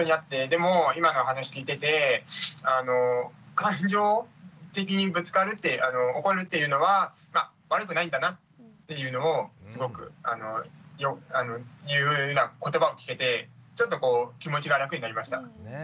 でも今のお話聞いてて感情的にぶつかる怒るっていうのは悪くないんだなっていうのをすごくいうような言葉を聞けてちょっとこう気持ちが楽になりました。